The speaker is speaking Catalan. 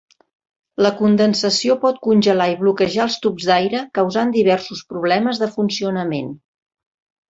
La condensació pot congelar i bloquejar els tubs d'aire causant diversos problemes de funcionament.